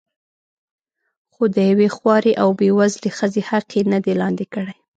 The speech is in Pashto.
خو د یوې خوارې او بې وزلې ښځې حق یې نه دی لاندې کړی.